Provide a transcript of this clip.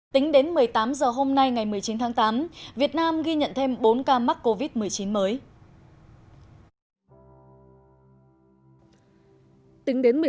tính đến một mươi tám h hôm nay ngày một mươi chín tháng tám việt nam ghi nhận thêm bốn ca mắc covid một mươi chín mới